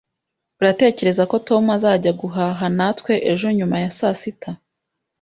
Uratekereza ko Tom azajya guhaha natwe ejo nyuma ya saa sita?